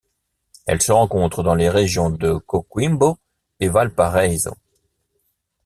Elle se rencontre dans les régions de Coquimbo et Valparaíso.